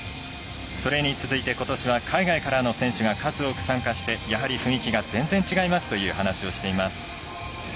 それに続いてことしは海外からの選手が数多く参加してやはり雰囲気が全然違いますという話をしています。